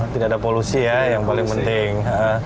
tidak ada polusi ya yang paling penting